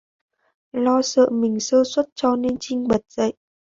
Lo sợ mình sơ suất cho nên trinh bật dậy